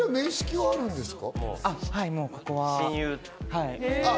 はい、もうここは。